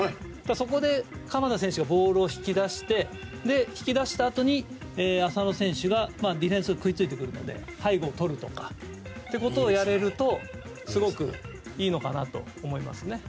そこで鎌田選手がボールを引き出して引き出したあとに浅野選手がディフェンスが食いついてくるので背後をとるとかをやれるとすごくいいのかなと思います。